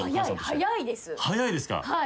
早いです。